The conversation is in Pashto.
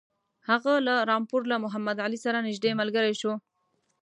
هغه له رامپور له محمدعلي سره نیژدې ملګری شو.